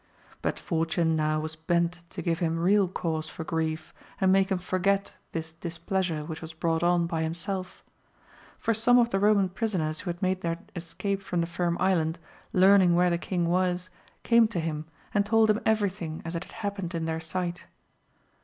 But fortune now was bent to give him real cause for grief and make him forget this dis pleasure which was brought on by himself ; for some of the Eoman prisoners who had made their escape from the Firm Island learning where the king was, came to him, and told him everything as it had happened in their sight.